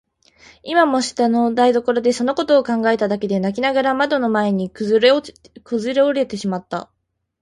今も下の台所でそのことを考えただけで泣きながらかまどの前にくずおれてしまった。